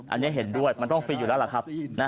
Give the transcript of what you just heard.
อันนี้เห็นด้วยมันต้องฟรีอยู่แล้วล่ะครับ